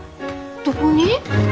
どこに？